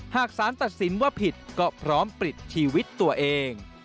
หากสารตัดสินว่าผิดก็พร้อมปลิดชีวิตตัวเอง